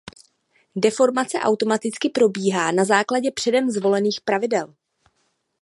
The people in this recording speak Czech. Deformace automaticky probíhá na základě předem zvolených pravidel.